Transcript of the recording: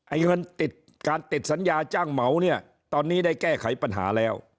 เงินติดการติดสัญญาจ้างเหมาเนี่ยตอนนี้ได้แก้ไขปัญหาแล้ว